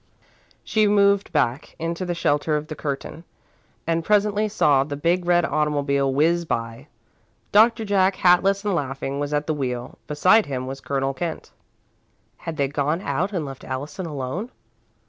She moved back, into the shelter of the curtain, and presently saw the big red automobile whizz by. Doctor Jack, hatless and laughing, was at the wheel. Beside him was Colonel Kent. Had they gone out and left Allison alone?